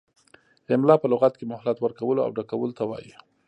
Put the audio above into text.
املاء په لغت کې مهلت ورکولو او ډکولو ته وايي.